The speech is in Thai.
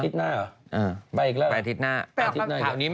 ทุกอย่าง